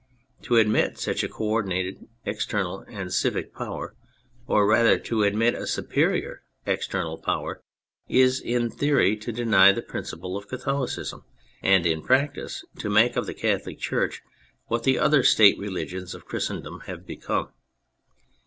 To admit such a co ordinate external and civil power, or rather to admit a superior external power, is in theory to deny the principle of Catholicism, and in practice to make of the Catholic Church what the other State religions of Christendom have become.